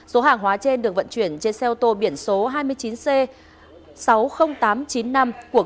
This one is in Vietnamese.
số hàng hóa trên được vận chuyển trên xe ô tô biển số hai mươi chín c sáu mươi nghìn tám trăm chín mươi năm của cơ quan công an